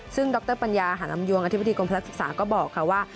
ซึ่งดรปัญญาหาลำยวงอธิบดีกรมพลักษึกษาก็บอกค่ะว่า